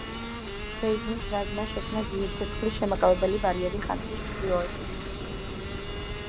ჯეიმზის რაზმმა შექმნა დიდი ცეცხლის შემაკავებელი ბარიერი ხანძრის ჩრდილოეთით.